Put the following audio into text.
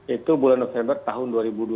itu bulan november tahun dua ribu dua puluh